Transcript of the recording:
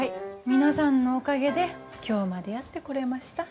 皆さんのおかげで今日までやってこれました。